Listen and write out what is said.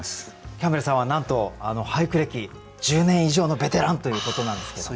キャンベルさんはなんと俳句歴１０年以上のベテランということなんですけども。